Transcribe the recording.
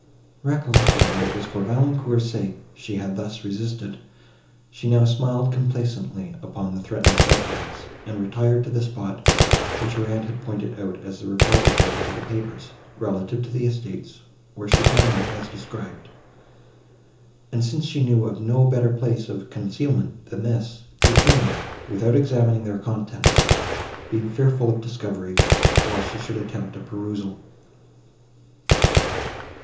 Recollecting, that it was for Valancourt's sake she had thus resisted, she now smiled complacently upon the threatened sufferings, and retired to the spot, which her aunt had pointed out as the repository of the papers, relative to the estates, where she found them as described; and, since she knew of no better place of concealment, than this, returned them, without examining their contents, being fearful of discovery, while she should attempt a perusal.